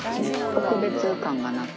特別感がなく。